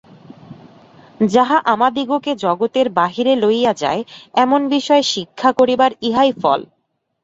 যাহা আমাদিগকে জগতের বাহিরে লইয়া যায়, এমন বিষয় শিক্ষা করিবার ইহাই ফল।